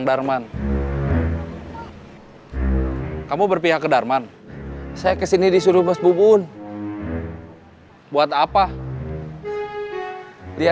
pemimpin yang enggak punya jiwa